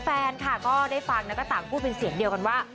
แฟนค่ะก็ได้ฟังแล้วก็ต่างพูดเป็นเสียงเดียวกันว่า